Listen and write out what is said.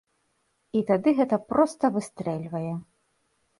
І тады гэта проста выстрэльвае!